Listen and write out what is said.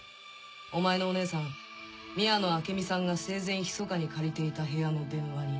お前のお姉さん宮野明美さんが生前ひそかに借りていた部屋の電話に。